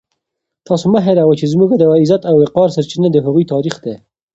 تاسو مه هېروئ چې زموږ د عزت او وقار سرچینه د هغوی تاریخ دی.